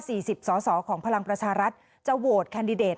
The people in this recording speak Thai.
สิบสอสอของพลังประชารัฐจะโหวตแคนดิเดต